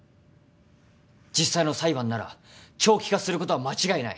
実際の裁判なら長期化することは間違いない。